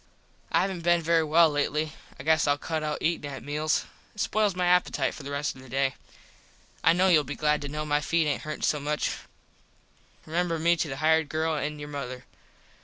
I havent been very well lately. I guess Ill cut out eatin at meals. It spoils my appitite for the rest of the day. I kno youll be glad to kno my feet aint hurtin so much. Remember me to the hired girl and your mother.